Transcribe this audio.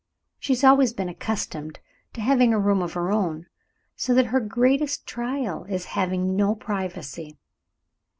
She has always been accustomed to having a room of her own, so that her greatest trial is in having no privacy.